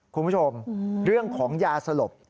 คุณผู้ชมเรื่องของยาสลบ